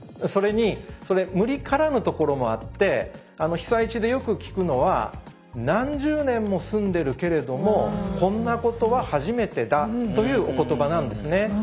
それにそれ無理からぬところもあって被災地でよく聞くのは何十年も住んでるけれどもこんなことは初めてだというお言葉なんですね。